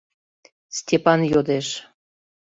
Степан йодеш.